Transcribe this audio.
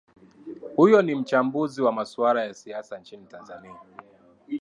huyo ni mchambuzi wa masuala ya siasa nchini tanzania